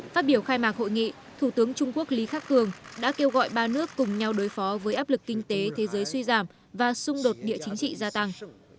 phát biểu khai mạc hội nghị thủ tướng trung quốc lý khắc cường đã kêu gọi ba nước cùng nhau đối phó với áp lực kinh tế thế giới suy giảm và xung đột địa chính trị gia tăng